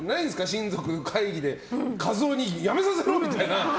親族の会議で和夫にやめさせろ！みたいな。